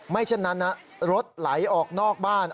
เช่นนั้นนะรถไหลออกนอกบ้าน